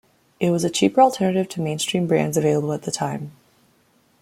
It was a cheaper alternative to the mainstream brands available at the time.